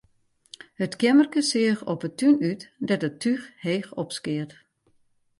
It keammerke seach op 'e tún út, dêr't it túch heech opskeat.